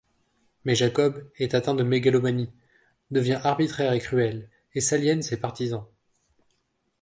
Mais Jacob est atteint de mégalomanie, devient arbitraire et cruel, et s'aliène ses partisans.